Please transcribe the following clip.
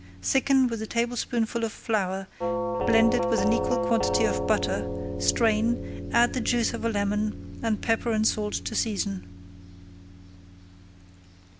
Thicken with a tablespoonful of flour blended with an equal quantity of butter, strain, add the juice of a lemon, and pepper and salt to season.